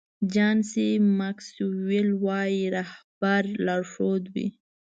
جان سي ماکسویل وایي رهبر لارښود وي.